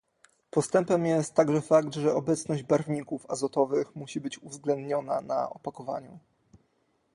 Postępem jest także fakt, że obecność barwników azowych musi być uwzględniona na opakowaniu